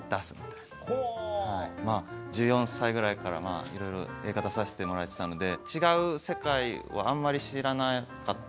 まぁ１４歳ぐらいからいろいろ映画出させてもらえてたので違う世界をあんまり知らなかったんですよね。